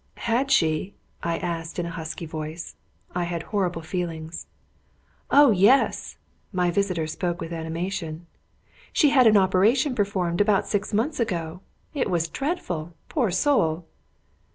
"Had she?" I asked, in a husky voice. I had horrible feelings. "Oh, yes!" My visitor spoke with animation. "She had an operation performed about six months ago. It was dreadful! Poor soul!"